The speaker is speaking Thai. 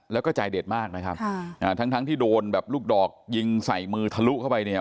แล้วก็ใจเด็ดมากนะครับทั้งทั้งที่โดนแบบลูกดอกยิงใส่มือทะลุเข้าไปเนี่ย